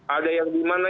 ada yang dimana